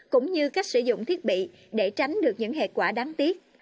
cũng như cách sử dụng thiết bị để tránh được những hệ quả đáng tiếc